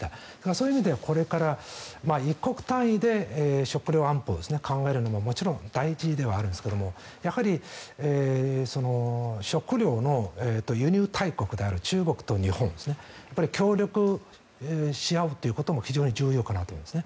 そういう意味でこれから１国単位で食料安保を考えるのももちろん大事ではあるんですがやはり食料の輸入大国である中国と日本が協力し合うことも非常に重要かなと思います。